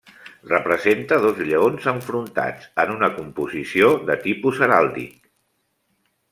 Representa dos lleons enfrontats, en una composició de tipus heràldic.